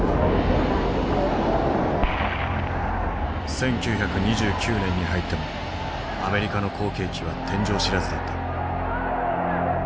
１９２９年に入ってもアメリカの好景気は天井知らずだった。